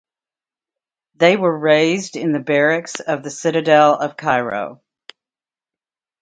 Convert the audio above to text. They were raised in the barracks of the Citadel of Cairo.